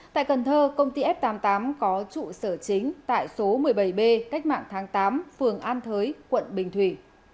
tại cần thơ công ty f tám mươi tám có trụ sở chính tại số một mươi bảy b cách mạng tháng tám phường an thới quận bình thủy